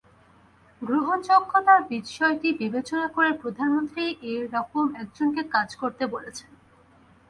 গ্রহণযোগ্যতার বিষয়টি বিবেচনা করে প্রধানমন্ত্রী এ রকম একজনকে কাজ করতে বলেছেন।